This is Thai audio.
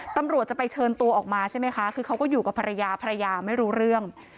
ตำรวจจะไปเชิญตัวออกมาใช่ไหมคะคือเขาก็อยู่กับภรรยาภรรยาไม่รู้เรื่อง